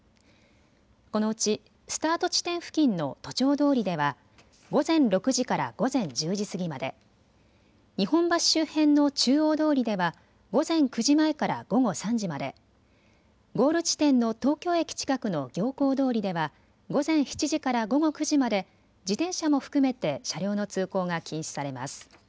このうちスタート地点付近の都庁通りでは午前６時から午前１０時過ぎまで、日本橋周辺の中央通りでは午前９時前から午後３時まで、ゴール地点の東京駅近くの行幸通りでは午前７時から午後９時まで自転車も含めて車両の通行が禁止されます。